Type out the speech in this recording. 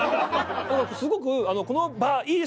「すごくこの場いいですね」。